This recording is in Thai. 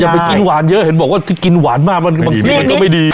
ไปกินหวานเยอะเห็นบอกว่าที่กินหวานมากบางทีมันก็ไม่ดี